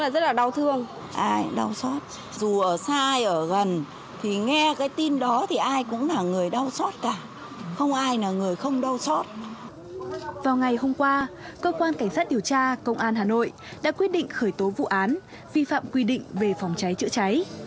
vào ngày hôm qua cơ quan cảnh sát điều tra công an hà nội đã quyết định khởi tố vụ án vi phạm quy định về phòng cháy chữa cháy